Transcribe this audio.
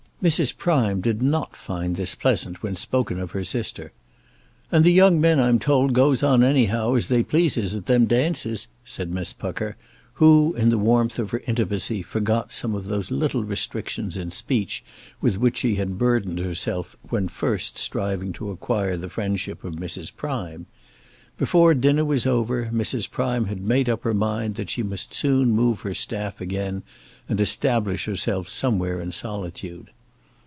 Mrs. Prime did not find this pleasant when spoken of her sister. "And the young men I'm told goes on anyhow, as they pleases at them dances," said Miss Pucker, who in the warmth of her intimacy forgot some of those little restrictions in speech with which she had burdened herself when first striving to acquire the friendship of Mrs. Prime. Before dinner was over Mrs. Prime had made up her mind that she must soon move her staff again, and establish herself somewhere in solitude.